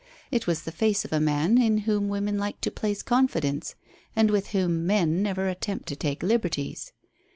It was the face of a man in whom women like to place confidence, and with whom men never attempt to take liberties.